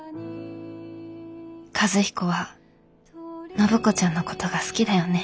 和彦は暢子ちゃんのことが好きだよね。